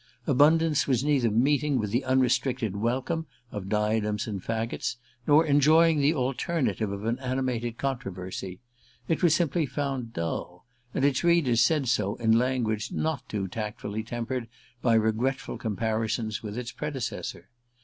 "Abundance" was neither meeting with the unrestricted welcome of "Diadems and Faggots," nor enjoying the alternative of an animated controversy: it was simply found dull, and its readers said so in language not too tactfully tempered by regretful comparisons with its predecessor.